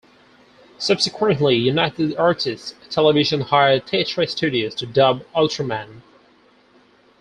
Subsequently, United Artists Television hired Titra Studios to dub "Ultraman".